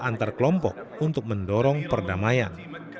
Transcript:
antar kelompok untuk mendorong perdamaian